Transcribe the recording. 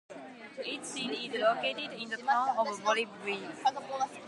Its seat is located in the town of Bollebygd.